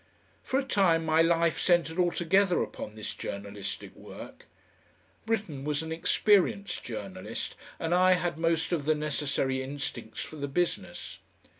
For a time my life centred altogether upon this journalistic work. Britten was an experienced journalist, and I had most of the necessary instincts for the business.